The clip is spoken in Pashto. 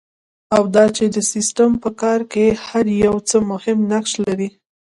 او دا چې د سیسټم په کار کې هر یو څه مهم نقش لري.